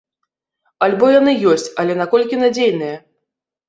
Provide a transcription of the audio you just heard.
Альбо яны ёсць, але наколькі надзейныя?